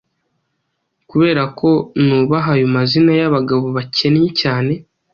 Kuberako nubaha ayo mazina yabagabo bakennye cyane